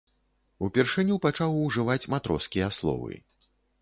Упершыню пачаў ужываць матроскія словы.